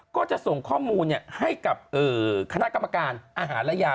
ก็จะส่งข้อมูลให้กับคณะกรรมการอาหารและยา